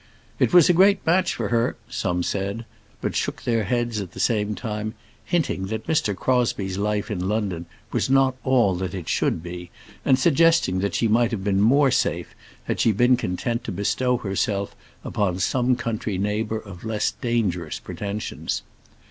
"It was a great match for her," some said, but shook their heads at the same time, hinting that Mr. Crosbie's life in London was not all that it should be, and suggesting that she might have been more safe had she been content to bestow herself upon some country neighbour of less dangerous pretensions.